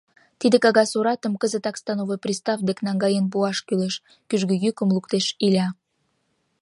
— Тиде кагаз оратым кызытак становой пристав дек наҥгаен пуаш кӱлеш, — кӱжгӧ йӱкым луктеш Иля.